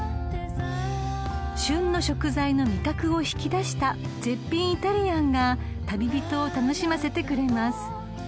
［旬の食材の味覚を引き出した絶品イタリアンが旅人を楽しませてくれます］